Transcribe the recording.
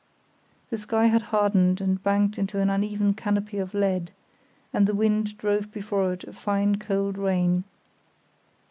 The sky had hardened and banked into an even canopy of lead, and the wind drove before it a fine cold rain.